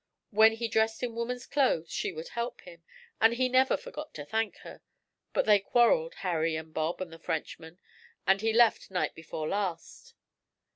When he dressed in woman's clothes she would help him, and he never forgot to thank her. But they quarrelled, Harry and Bob and the Frenchman, and he left night before last.'